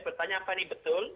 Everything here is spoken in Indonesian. bertanya apa ini betul